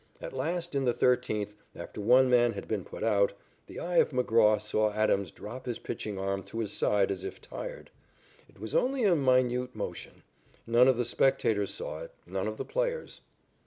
At last, in the thirteenth, after one man had been put out, the eye of McGraw saw Adams drop his pitching arm to his side as if tired. It was only a minute motion. None of the spectators saw it, none of the players.